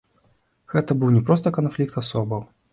Гэта быў не проста канфлікт асобаў.